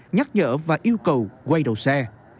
nhắc nhở và yêu cầu quay đầu xe